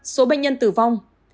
ba số bệnh nhân tử vong